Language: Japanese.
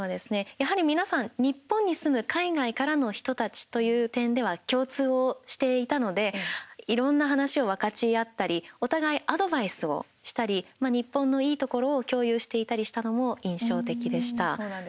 やはり、皆さん日本に住む海外からの人たちという点では共通をしていたのでいろんな話を分かち合ったりお互いアドバイスをしたり日本のいいところを共有していたりしたのも印象的でした。